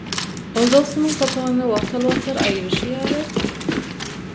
ol dostumyň papagyny wagtal-wagtal aýyryşy ýaly